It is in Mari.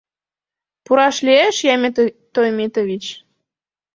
— Пураш лиеш, Ямет Тойметович!?